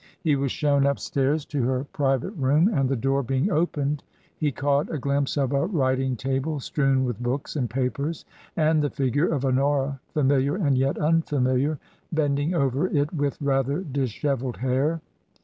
He was shown upstairs I30 TRANSITION. to her private room, and the door being opened, he caught a glimpse of a writing table strewn with books and papers, and the figure of Honora — familiar and yet unfamiliar — ^bending over it with rather dishevelled hair.